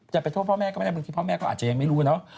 จะไปโทษพ่อแม่ก็ไม่ได้บางทีพ่อแม่ก็อาจจะยังไม่รู้เนอะ